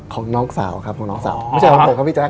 ของน้องสาวครับไม่ใช่ของพี่แจ๊ค